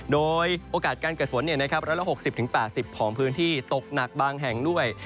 โดยโอกาสการเกิดฝน๑๖๐๘๐ของพื้นที่ตกหนักบางแห่งด้วย